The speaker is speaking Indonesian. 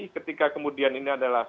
ketika kemudian ini adalah